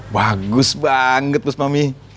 bagus banget bus mami